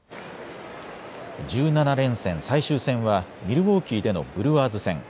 １７連戦、最終戦はミルウォーキーでのブルワーズ戦。